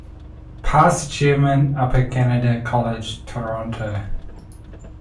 Past Chairman Upper Canada College, Toronto.